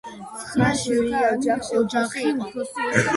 ცხრა შვილიან ოჯახში უფროსი იყო.